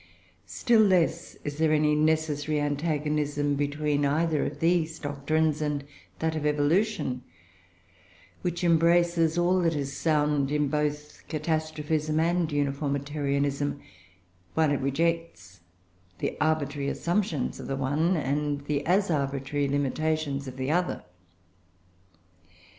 Still less is there any necessary antagonists between either of these doctrines and that of Evolution, which embraces all that is sound in both Catastrophism and Uniformitarianism, while it rejects the arbitrary assumptions of the one and the, as arbitrary, limitations of the other.